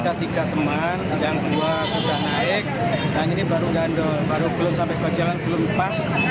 ada tiga teman yang dua sudah naik dan ini baru gandul baru belum sampai ke jalan belum pas